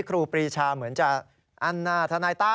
ครูปรีชาเหมือนจะอันหน้าทนายต้า